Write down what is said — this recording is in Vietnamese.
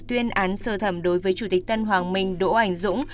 tuyên án sơ thẩm đối với chủ tịch tân hoàng minh đỗ anh dũng